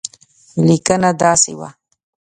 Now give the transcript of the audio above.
لیکنه داسې وه.